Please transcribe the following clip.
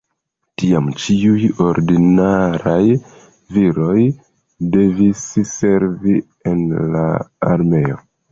Tiam ĉiuj ordinaraj viroj devis servi en armeo.